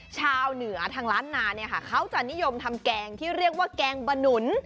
ชาวเหนือทางล้านนาเนี่ยค่ะเขาจะนิยมทำแกงที่เรียกว่าแกงบะหนุน